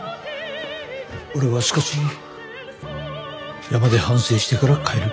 俺は少し山で反省してから帰る。